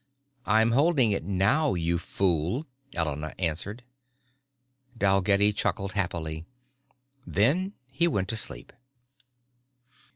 "I'm holding it now, you fool," Elena answered. Dalgetty chuckled happily. Then he went to sleep.